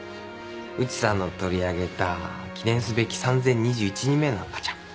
内さんの取り上げた記念すべき３，０２１人目の赤ちゃん。